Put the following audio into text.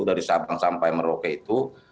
dari sabang sampai merauke itu